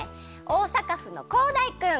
大阪府のこうだいくん。